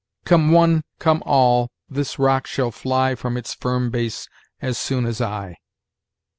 "'Come one, come all, this rock shall fly From its firm base as soon as I.'